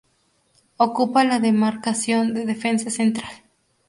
Ocupa la demarcación de defensa central.